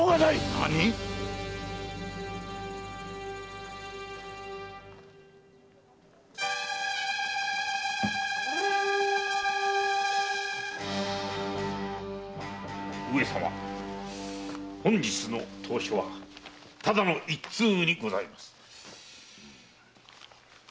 何⁉上様本日の投書はただの一通にございます。